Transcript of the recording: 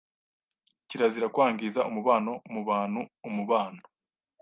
Kirazira kwangiza umubano mu bantu Umubano